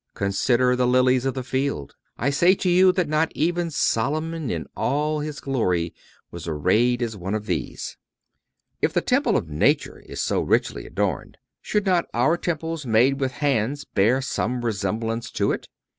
"Consider the lilies of the field.... I say to you that not even Solomon in all his glory was arrayed as one of these." If the temple of nature is so richly adorned, should not our temples made with hands bear some resemblance to it?